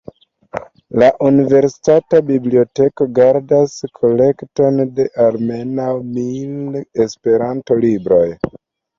La universitata biblioteko gardas kolekton de almenaŭ mil Esperanto-libroj.